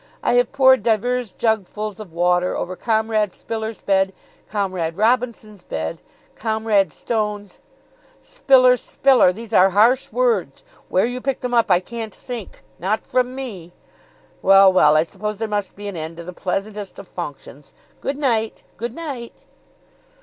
I have poured divers jugfuls of water over Comrade Spiller's bed, Comrade Robinson's bed, Comrade Stone's Spiller, Spiller, these are harsh words; where you pick them up I can't think not from me. Well, well, I suppose there must be an end to the pleasantest of functions. Good night, good night."